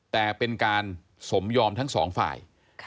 แต่เป็นการสมยอมทั้งสองฝ่าย